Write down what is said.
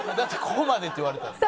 「ここまで」って言われたんで。